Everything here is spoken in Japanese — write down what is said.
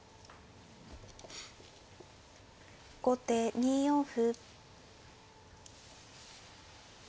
後手２四歩。